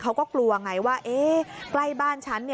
เขาก็กลัวไงว่าใกล้บ้านฉัน